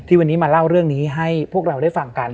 วันนี้มาเล่าเรื่องนี้ให้พวกเราได้ฟังกัน